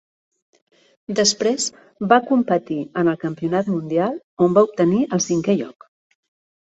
Després va competir en el Campionat Mundial, on va obtenir el cinquè lloc.